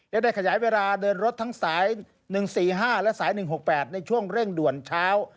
และได้ขยายเวลาเดินรถทั้งสาย๑๔๕และสาย๑๖๘ในช่วงเร่งด่วนเช้า